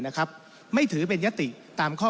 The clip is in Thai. ท่านประธานก็เป็นสอสอมาหลายสมัย